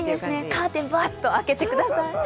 カーテンをバーッと開けてください。